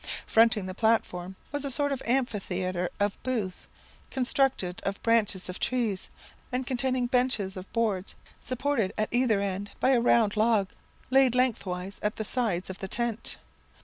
Fronting the platform was a sort of amphitheatre of booths, constructed of branches of trees, and containing benches of boards supported at either end by a round log laid lengthwise at the sides of the tent.